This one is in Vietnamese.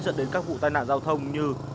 dẫn đến các vụ tai nạn giao thông như